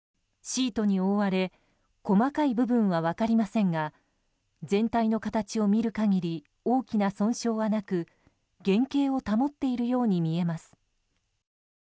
シートに覆われ細かい部分は分かりませんが全体の形を見る限り大きな損傷はなく原形を保っているように見えます。